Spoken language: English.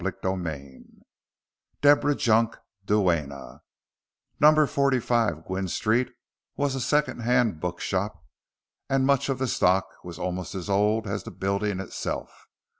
CHAPTER II DEBORAH JUNK, DUENNA Number forty five Gwynne Street was a second hand bookshop, and much of the stock was almost as old as the building itself.